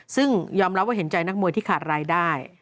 ซึ่งยอมรับว่าเห็นใจนักมวยที่ขาดรายได้